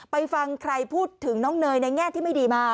ไปฟังใครพูดถึงน้องเนยในแง่ที่ไม่ดีมา